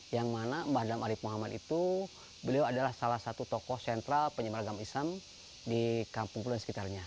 yang mana embah dalam arif muhammad itu beliau adalah salah satu tokoh sentral penyembar agama islam di kampung pulau sekitarnya